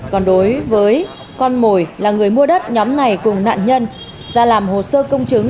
còn đối với con mồi là người mua đất nhóm này cùng nạn nhân ra làm hồ sơ công chứng